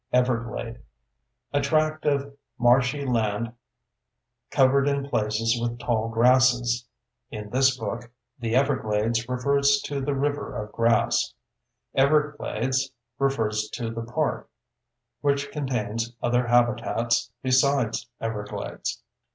EVERGLADE: A tract of marshy land covered in places with tall grasses. (In this book, "the everglades" refers to the river of grass; "Everglades" refers to the park, which contains other habitats besides everglades.)